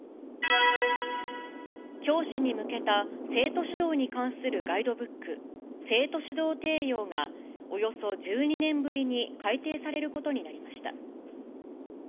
教師に向けた、生徒指導に関するガイドブック、生徒指導提要が、およそ１２年ぶりに改訂されることになりました。